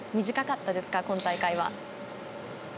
短かったですか、今大会は。